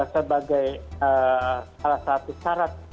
sebagai salah satu syarat